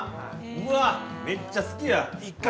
うわっ、めっちゃ好きや。